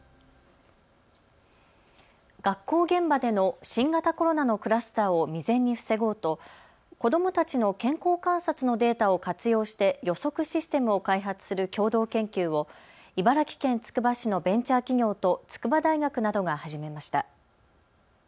学校現場での新型コロナのクラスターを未然に防ごうと子どもたちの健康観察のデータを活用して予測システムを開発する共同研究を茨城県つくば市のベンチャー企業と筑波大学などが始めました。